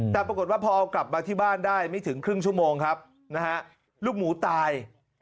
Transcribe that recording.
แต่ปรากฏว่าพอเอากลับมาที่บ้านได้ไม่ถึงครึ่งชั่วโมงครับนะฮะลูกหมูตาย